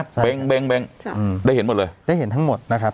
แบงก์แบงก์แบงก์ได้เห็นหมดเลยได้เห็นทั้งหมดนะครับ